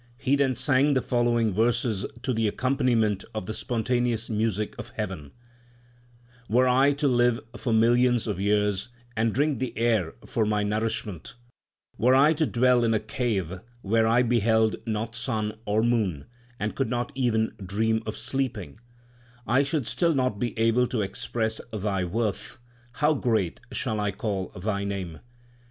He then sang the following verses to the accompaniment of the spontaneous music of heaven : Were I to live for millions of years and drink the air for my nourishment ; Were I to dwell in a cave where I beheld not sun or moon, and could not even dream of sleeping, 1 I should still not be able to express Thy worth ; how great shall I call Thy name